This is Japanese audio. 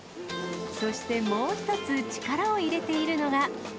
そしてもう一つ、力を入れているのが。